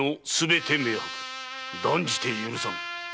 断じて許さん。